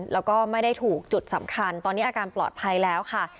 แล้วก็ไม่ได้ถูกจุดสำคัญตอนนี้อาการปลอดภัยแล้วค่ะ